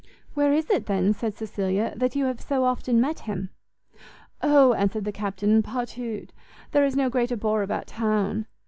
"Where is it, then," said Cecilia, "that you have so often met him?" "O," answered the Captain, "partout; there is no greater bore about town.